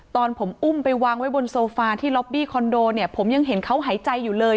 ตอนผมอุ้มไปวางไว้บนโซฟาที่ล็อบบี้คอนโดเนี่ยผมยังเห็นเขาหายใจอยู่เลย